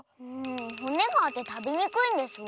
ほねがあってたべにくいんですわ。